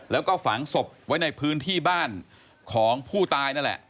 แล้วก็ฝังศพไว้ในพื้นที่บ้านของผู้ตายนั่นแหละ